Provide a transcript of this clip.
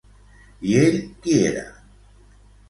I ell qui era?